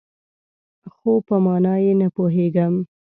خو، په مانا یې نه پوهیږم